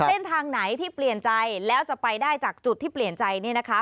เส้นทางไหนที่เปลี่ยนใจแล้วจะไปได้จากจุดที่เปลี่ยนใจเนี่ยนะคะ